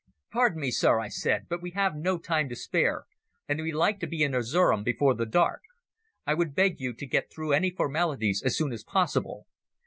"Pardon me, Sir," I said, "but we have no time to spare and we'd like to be in Erzerum before the dark. I would beg you to get through any formalities as soon as possible.